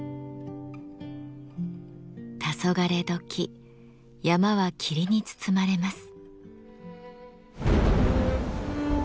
たそがれ時山は霧に包まれます。